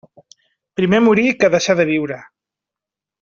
Primer morir que deixar de viure.